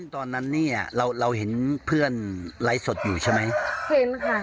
คอยนอนดูแลอยู่ค่ะแล้วพอเช้าก็มาส่งขึ้นรถกลับเมืองเลยค่ะ